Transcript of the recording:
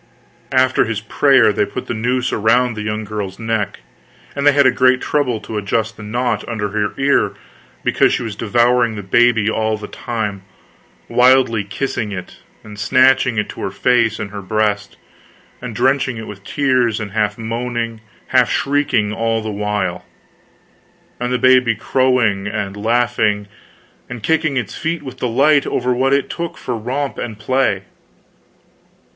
After his prayer they put the noose around the young girl's neck, and they had great trouble to adjust the knot under her ear, because she was devouring the baby all the time, wildly kissing it, and snatching it to her face and her breast, and drenching it with tears, and half moaning, half shrieking all the while, and the baby crowing, and laughing, and kicking its feet with delight over what it took for romp and play.